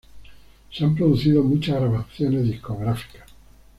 Se han producido muchas grabaciones discográficas.